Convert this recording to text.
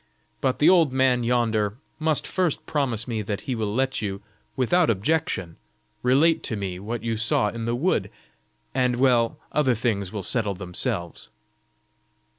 But the old man yonder must first promise me that he will let you, without objection, relate to me what you saw in the wood, and well, other things will settle themselves."